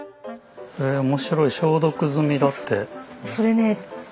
え面白い「消毒済」だって。